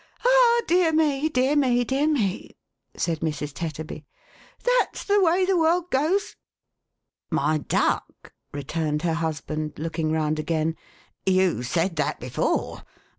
" Ah, dear me, dear me, dear me !" said Mrs. Tetterby. " That's the way the world goes !" "My duck," returned her husband, look ing round again, "you said that before.